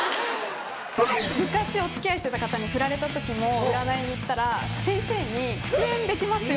昔お付き合いしてた方にフラれた時も占いに行ったら先生に「復縁できますよ」